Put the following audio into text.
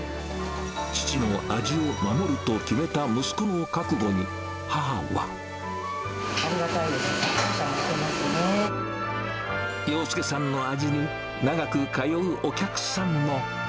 父の味を守ると決めた息子のありがたいですし、感謝もし要介さんの味に、長く通うお客さんも。